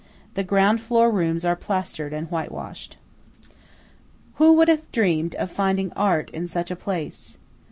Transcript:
The ground floor rooms are plastered and whitewashed. Who would have dreamed of finding Art in such a place?